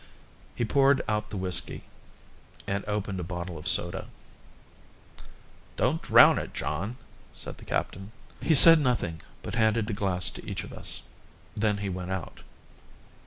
He poured out the whisky and opened a bottle of soda. "Don't drown it, John," said the captain. He said nothing, but handed a glass to each of us. Then he went out.